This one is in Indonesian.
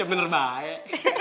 ya bener baik